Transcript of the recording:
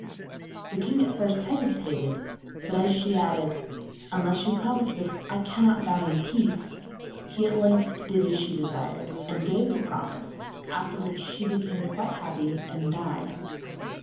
The king at first hesitated, but as she added: 'Unless you promise this I cannot die in peace,' he at length did as she desired, and gave the promise, after which she became quite happy and died.